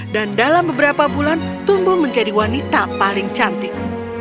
dan dalam beberapa bulan tumbuh menjadi wanita paling cantik